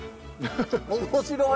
面白い。